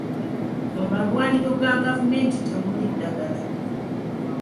Mu malwaliro ga gavumenti temuli ddagala.